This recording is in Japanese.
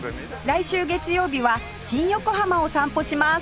来週月曜日は新横浜を散歩します